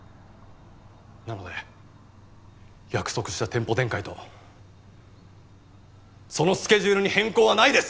なので約束した店舗展開とそのスケジュールに変更はないです！